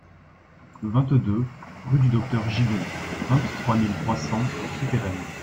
vingt-deux rue du Docteur Gigon, vingt-trois mille trois cents La Souterraine